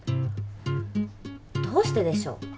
どうしてでしょう。